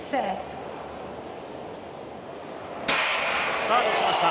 スタートしました。